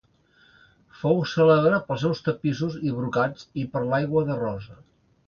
Fou cèlebre pels seus tapissos i brocats i per l'aigua de rosa.